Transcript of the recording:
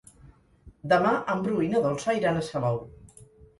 Demà en Bru i na Dolça iran a Salou.